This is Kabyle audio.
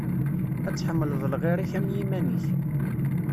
Ad tḥemmleḍ lɣir-ik am yiman-ik.